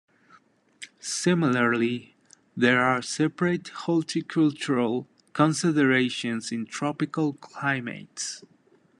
Similarly, there are separate horticultural considerations in tropical climates.